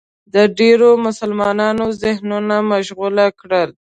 د ډېرو مسلمانانو ذهنونه مشغول کړل